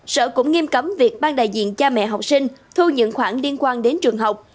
sở cũng nghiêm cấm việc ban đại diện cha mẹ học sinh thu những khoản liên quan đến trường học